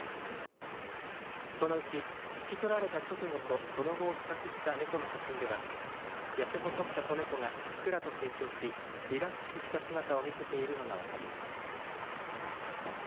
このうち引き取られた直後とその後を比較した猫の写真ではやせ細った子猫がふっくらと成長しリラックスした姿を見せているのが分かります。